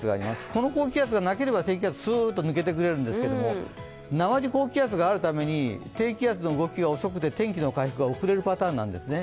この高気圧がなければ、低気圧がスーッと抜けてくるんですけど、なまじ高気圧があるために、低気圧の動きが遅くて天気の回復が遅れるパターンなんですね。